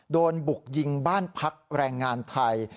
โดนบุกยิงบ้านพักแรงงานไทย